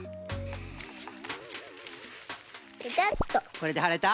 これではれた？